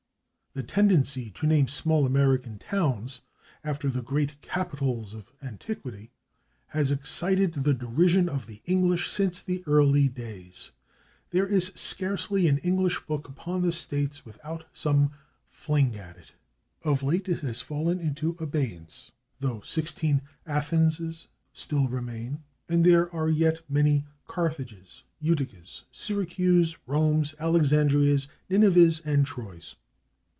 The tendency to name small American towns after the great capitals of antiquity has excited the derision of the English since the earliest days; there is scarcely an English book upon the states without some fling at it. Of late it has fallen into abeyance, though sixteen /Athenses/ still remain, and there are yet many /Carthages/, /Uticas/, /Syracuses/, /Romes/, /Alexandrias/, /Ninevahs/ and /Troys